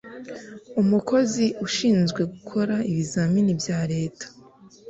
umukozi ushinzwe gukora ibizamini bya leta